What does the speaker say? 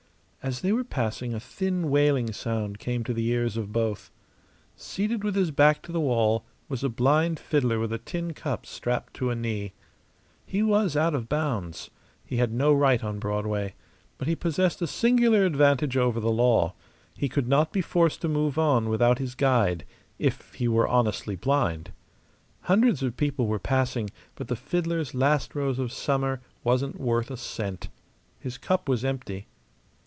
As they were passing a thin, wailing sound came to the ears of both. Seated with his back to the wall was a blind fiddler with a tin cup strapped to a knee. He was out of bounds; he had no right on Broadway; but he possessed a singular advantage over the law. He could not be forced to move on without his guide if he were honestly blind. Hundreds of people were passing; but the fiddler's "Last Rose of Summer" wasn't worth a cent. His cup was empty.